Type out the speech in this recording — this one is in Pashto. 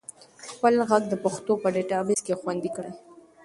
خپل ږغ د پښتو په ډیټابیس کې خوندي کړئ.